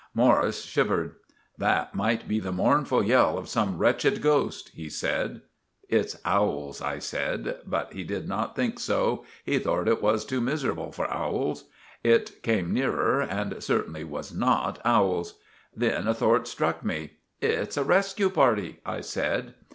Morris shivered. "That might be the mournful yell of some wretched ghost," he said. "It's owels," I said, but he did not think so. He thort it was too miserable for owels. It came neerer and certainly was not owels. Then a thort struck me. "It's a resque party!" I said.